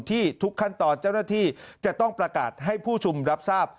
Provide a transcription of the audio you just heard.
ทุกขั้นตอนเจ้าหน้าที่จะต้องประกาศให้ผู้ชุมรับทราบ